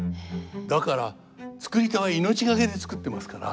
だから作り手は命懸けで作ってますから。